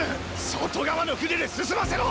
外側の舟で進ませろ！